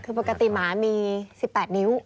คือปกติหมามี๑๘นิ้ว